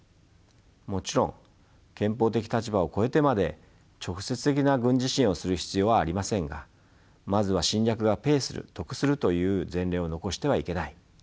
もちろん憲法的立場を超えてまで直接的な軍事支援をする必要はありませんがまずは侵略がペイする得するという前例を残してはいけない。